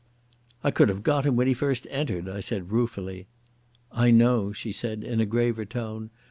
"I could have got him when he first entered," I said ruefully. "I know," she said in a graver tone.